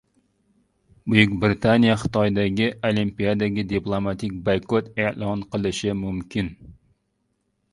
Buyuk Britaniya Xitoydagi Olimpiadaga diplomatik boykot e’lon qilishi mumkin